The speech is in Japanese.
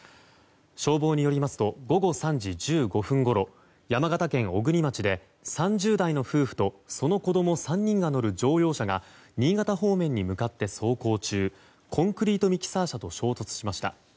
消防によりますと午後３時１５分ごろ山形県小国町で３０代の夫婦とその子供３人が乗る乗用車が新潟方面に向かって走行中コンクリートミキサー車と衝突しました。